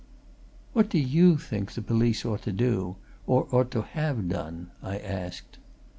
"What do you think the police ought to do or ought to have done?" I asked.